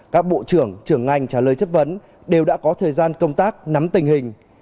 các bộ trưởng trưởng ngành trả lời chất vấn đều đã có thời gian công tác nắm tình hình